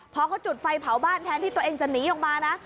พอเขาจุดไฟเผาบ้านแทนที่ตัวเองจะหนีออกมานะ